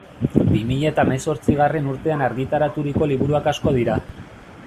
Bi mila eta hemezortzigarren urtean argitaraturiko liburuak asko dira.